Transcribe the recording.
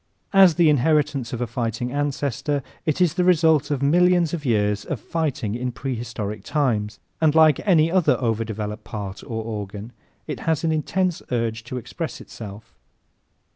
As the inheritance of a fighting ancestor it is the result of millions of years of fighting in prehistoric times, and, like any other over developed part or organ, it has an intense urge to express itself.